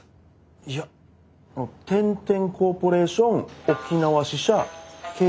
いやあの天・天コーポレーション沖縄支社経理部長です。